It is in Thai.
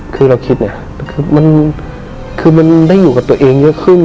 คือเราคิดไงคือมันคือมันได้อยู่กับตัวเองเยอะขึ้น